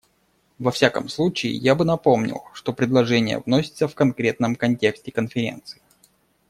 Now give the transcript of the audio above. Во всяком случае, я бы напомнил, что предложения вносятся в конкретном контексте Конференции.